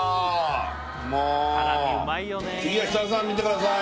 もう次は設楽さん見てください